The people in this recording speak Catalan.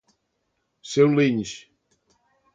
Ser un linx.